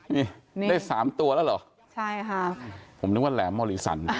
นี่ได้สามตัวแล้วเหรอใช่ค่ะผมนึกว่าแหลมมอลิสัน